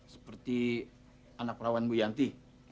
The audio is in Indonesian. seperti anak rawan bu yanti